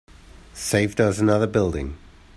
Saved us another building.